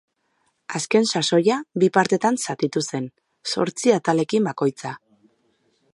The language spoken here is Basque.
Azken sasoia bi partetan zatitu zen, zortzi atalekin bakoitza.